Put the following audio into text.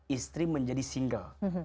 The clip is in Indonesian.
istri menjadi single